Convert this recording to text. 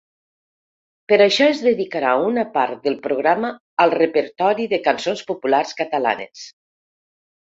Per això es dedicarà una part del programa al repertori de cançons populars catalanes.